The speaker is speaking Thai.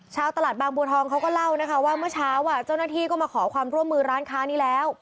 ชาวตลาดบางบัวทองเขาก็เล่านะคะว่าเมื่อเช้าเจ้าหน้าที่ก็มาขอความร่วมมือร้านค้านี้แล้ว